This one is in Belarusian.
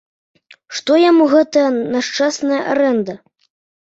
Што яму гэтая няшчасная арэнда.